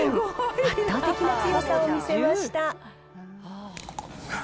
圧倒的な強さを見せました。